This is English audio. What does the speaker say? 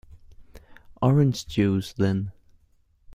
Orange juice, then.